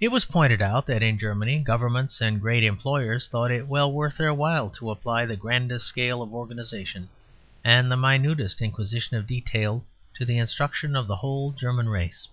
It was pointed out that in Germany governments and great employers thought it well worth their while to apply the grandest scale of organization and the minutest inquisition of detail to the instruction of the whole German race.